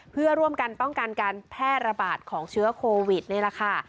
เพื่อร่วมกันป้องกันการแพร่ระบาดของเชื้อโควิดนี่แหละค่ะ